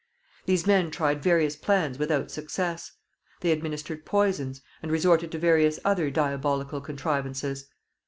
These men tried various plans without success. They administered poisons, and resorted to various other diabolical contrivances.